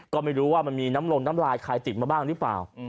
ก็ไม่รู้ว่ามันมีน้ำลงน้ำลายใครติดมาบ้างหรือเปล่า